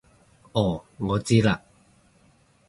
哦我知喇